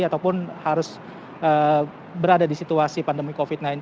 ataupun harus berada di situasi pandemi covid sembilan belas